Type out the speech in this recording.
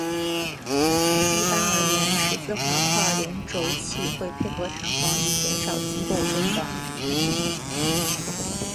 一般而言十字滑块联轴器会配合弹簧以减少机构中的。